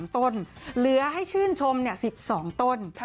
ต้นเหลือให้ชื่นชม๑๒ต้น